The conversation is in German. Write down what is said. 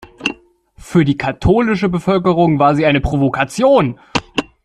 Für die katholische Bevölkerung war sie eine Provokation.